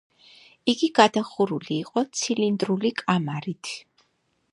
იგი გადახურული იყო ცილინდრული კამარით.